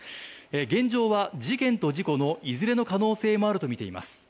現状は事件と事故のいずれの可能性もあるとみています。